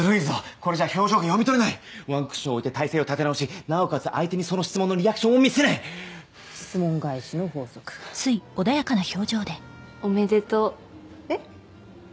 これじゃあ表情が読み取れないワンクッション置いて態勢を立て直しなおかつ相手にその質問のリアクションを見せない質問返しの法則おめでとうえっ？